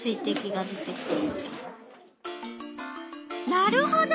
なるほど。